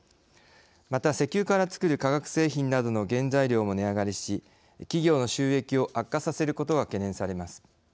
また石油から作る化学製品などの原材料も値上がりし企業の収益を悪化させることが懸念されます。